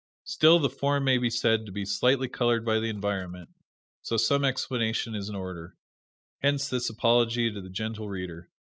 Still the form may be said to be slightly colored by the environment, so some explanation is in order hence this apology to the Gentle Reader.